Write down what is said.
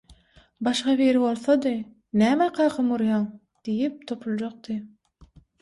Başga biri bolsady «Näme kakamy urýaň?» diýip topuljakdy